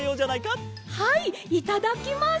はいいただきます！